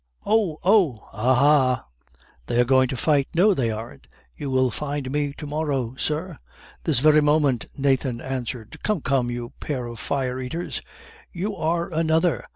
"Oh! oh!" "Ah! ah!" "They are going to fight." "No, they aren't." "You will find me to morrow, sir." "This very moment," Nathan answered. "Come, come, you pair of fire eaters!" "You are another!"